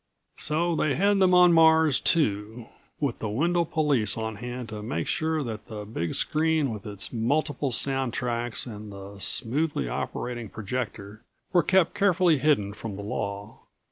So they had them on Mars, too, with the Wendel police on hand to make sure that the big screen with its multiple sound tracks and the smoothly operating projector were kept carefully hidden from the law.